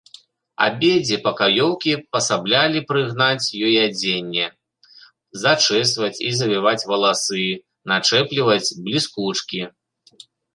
Абедзве пакаёўкі пасаблялі прыгнаць ёй адзенне, зачэсваць і завіваць валасы, начэпліваць бліскучкі.